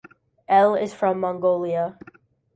Elle is from Mongolia.